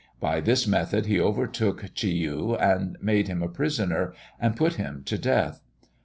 By this method he overtook Tchi Yeou, made him prisoner, and put him to death.